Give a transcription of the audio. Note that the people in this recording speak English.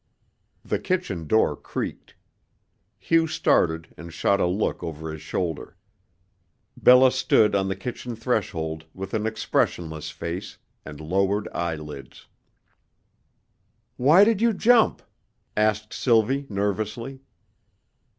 The kitchen door creaked. Hugh started and shot a look over his shoulder. Bella stood on the kitchen threshold with an expressionless face and lowered eyelids. "Why did you jump?" asked Sylvie nervously.